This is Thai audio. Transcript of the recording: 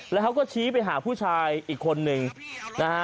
แล้วเขาก็ชี้ไปหาผู้ชายอีกคนนึงนะฮะ